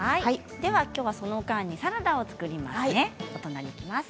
きょうはその間にサラダを作ります。